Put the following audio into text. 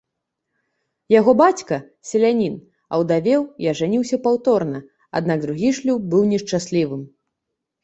Яго бацька, селянін, аўдавеў і ажаніўся паўторна, аднак другі шлюб быў нешчаслівым.